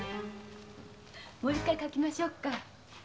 もう一度書きましょうね。